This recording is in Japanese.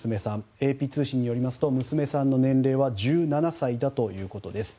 ＡＰ通信によると娘さんの年齢は１７歳だということです。